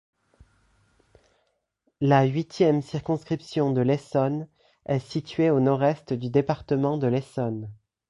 La huitième circonscription de l’Essonne est située au nord-est du département de l’Essonne.